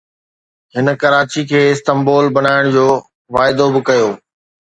هن ڪراچي کي استنبول بنائڻ جو واعدو به ڪيو